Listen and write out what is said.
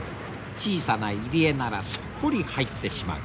小さな入り江ならすっぽり入ってしまう。